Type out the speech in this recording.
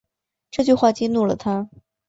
这句话激怒了他